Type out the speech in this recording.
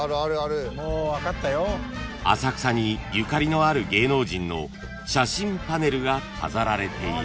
［浅草にゆかりのある芸能人の写真パネルが飾られている］